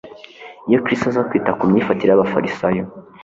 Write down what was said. Iyo Kristo aza kwita ku myifatire y'abafarisayo,